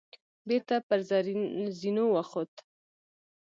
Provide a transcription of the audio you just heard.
بېرته پر زينو وخوت.